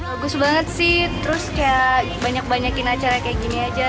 bagus banget sih terus kayak banyak banyakin acara kayak gini aja